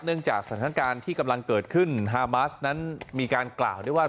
จากสถานการณ์ที่กำลังเกิดขึ้นฮามาสนั้นมีการกล่าวด้วยว่า